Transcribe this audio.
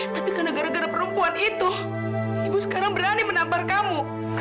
tapi karena gara gara perempuan itu ibu sekarang berani menampar kamu